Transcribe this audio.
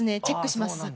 チェックします